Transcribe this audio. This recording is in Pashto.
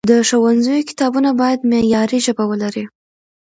د ښوونځیو کتابونه باید معیاري ژبه ولري.